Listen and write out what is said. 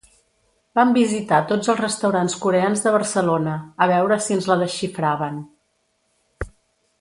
Vam visitar tots els restaurants coreans de Barcelona, a veure si ens la desxifraven.